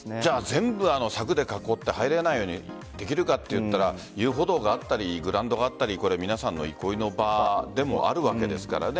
全部、柵で囲って入れないようにできるかといったら遊歩道があったりグラウンドがあったり皆さんの憩いの場でもあるわけですからね